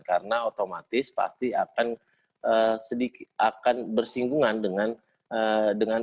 karena otomatis pasti akan bersinggungan dengan